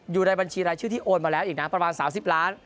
อยู่ในบัญชีรายชื่อที่โอนมาแล้วอีกนะประมาณ๓๐ล้าน